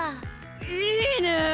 いいね！